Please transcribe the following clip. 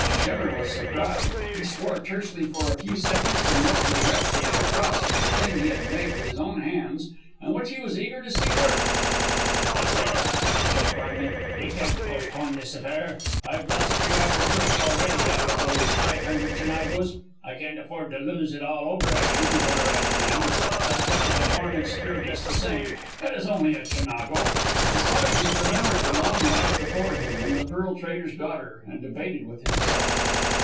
Schemmer was surprised. He swore tersely for a few seconds, and looked regretfully across at the thing he had made with his own hands and which he was eager to see work. "Look here," he said finally, "we can't postpone this affair. I've lost three hours' work already out of those five hundred Chinagos. I can't afford to lose it all over again for the right man. Let's put the performance through just the same. It is only a Chinago." The sergeant remembered the long ride before him, and the pearl trader's daughter, and debated with himself.